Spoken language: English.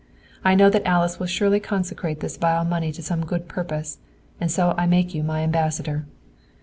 I know that Alice will surely consecrate this vile money to some good purpose, and so I make you my ambassador.